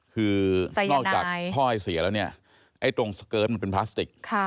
คือนอกจากท่อไอเสียแล้วเนี่ยไอ้ตรงสเกิร์ตมันเป็นพลาสติก